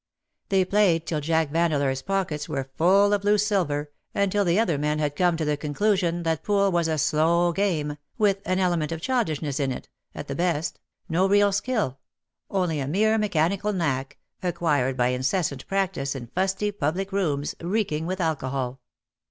They played till Jack Vandeleur's pockets were full of loose silver, and till the other men had come to the conclusion that pool was a slow game, with an element of childishness in it, at the best — no real skill, only a mere mechanical knack, acquired by incessant practice in fusty public rooms, reeking with alcohol.